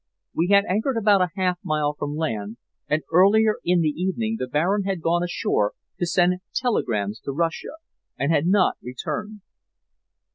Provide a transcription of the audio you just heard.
We had anchored about half a mile from land, and earlier in the evening the Baron had gone ashore to send telegrams to Russia, and had not returned.